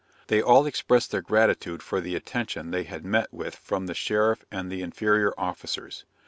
They all expressed their gratitude for the attention they had met with from the sheriff and the inferior officers.